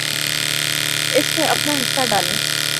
اس میں اپنا حصہ ڈالیں۔